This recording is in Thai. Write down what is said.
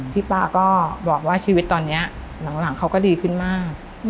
ป้าก็บอกว่าชีวิตตอนนี้หลังเขาก็ดีขึ้นมาก